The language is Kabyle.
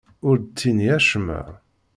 Ur d-ttini acemma.